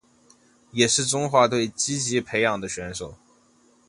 也是中华队积极培育的选手。